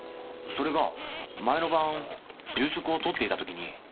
それが前の晩夕食をとっていた時に。